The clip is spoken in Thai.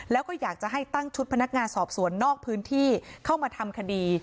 แล้วก็อยากจะให้ตั้งชุดพนักงานสอบสวนนอกพื้นที่เข้ามาทำคดี